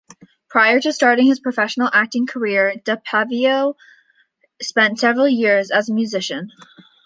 Prior to starting his professional acting career, DePaiva spent several years as a musician.